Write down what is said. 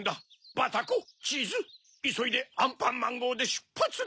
バタコチーズいそいでアンパンマンごうでしゅっぱつだ！